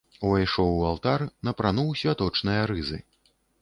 Увайшоў у алтар, напрануў святочныя рызы.